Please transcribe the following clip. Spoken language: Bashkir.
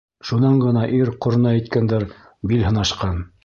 Шунан ғына ир ҡорона еткәндәр бил һынашҡан.